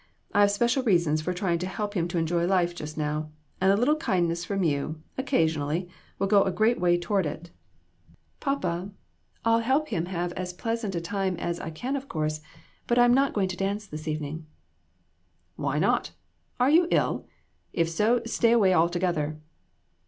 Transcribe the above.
I have special reasons for trying to help him to enjoy life just now; and a little kind ness from you, occasionally, will go a great way toward it." "Papa, I'll help him have as pleasant a time as INTRICACIES. 289 I can, of course ; but I'm not going to dance this evening." "Why not? Are you ill? If so, stay away altogether."